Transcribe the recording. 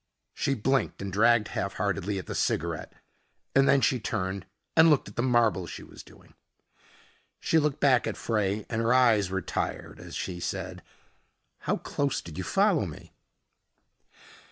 She blinked and dragged half heartedly at the cigarette and then she turned and looked at the marble she was doing. She looked back at Frey and her eyes were tired as she said, "How close did you follow me?"